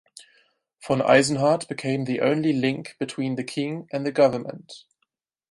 Von Eisenhart became the only link between the king and the government.